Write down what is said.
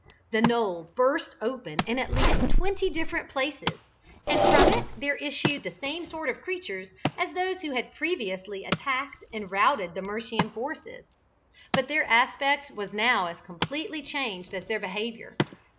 The knoll burst open in at least twenty different places, and from it there issued the same sort of creatures as those who had previously attacked and routed the Mersham forces. But their aspect was now as completely changed as their behaviour.